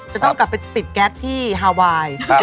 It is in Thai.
จะต้องกลับไปติดแก๊สที่ฮาไวน์